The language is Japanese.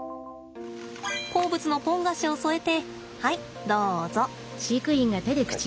好物のポン菓子を添えてはいどうぞ。